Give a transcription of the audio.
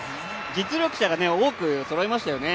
実力者が多くそろいましたよね。